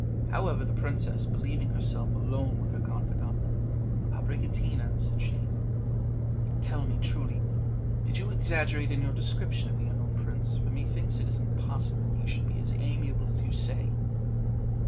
However, the princess, believing herself alone with her confidante "Abricotina," said she, "tell me truly, did you exaggerate in your description of the unknown prince, for methinks it is impossible he should be as amiable as you say?"